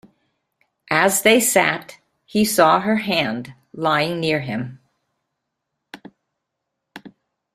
As they sat, he saw her hand lying near him.